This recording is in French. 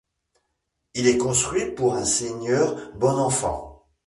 Il est construit pour un seigneur Bonenfant.